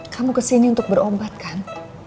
kamu kesini untuk berobat kan